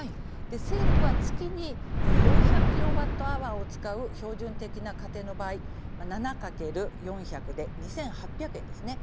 政府は、月に４００キロワットアワーを使う標準的な家庭の場合７×４００で２８００円ですね。